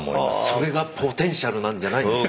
それがポテンシャルなんじゃないんですか